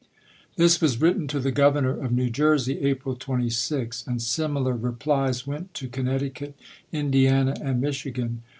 This was written to the Governor of iii.fp"u3. New Jersey, April 26, and similar replies went to Connecticut, Indiana, and Michigan.